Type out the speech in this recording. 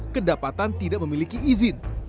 kedapatan tidak memiliki izin